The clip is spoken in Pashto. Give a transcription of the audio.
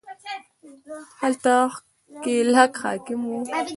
هلته ښکېلاک حاکم وو